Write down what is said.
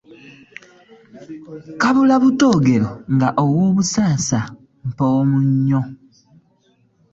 Kabula butegero ng'owobusa asal ppomunnyo .